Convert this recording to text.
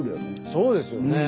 そうですよね。